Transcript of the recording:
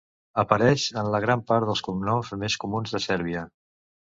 Apareix en la gran part dels cognoms més comuns de Sèrbia.